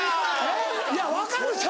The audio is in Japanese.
いや分かる